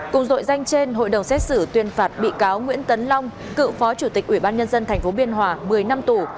cùng dội danh trên hội đồng xét xử tuyên phạt bị cáo nguyễn tấn long cựu phó chủ tịch ủy ban nhân dân tp biên hòa một mươi năm tù